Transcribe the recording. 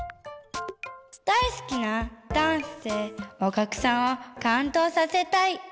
だいすきなダンスでおきゃくさんをかんどうさせたい！